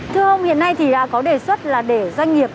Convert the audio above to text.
thưa ông hiện nay thì có đề xuất là để doanh nghiệp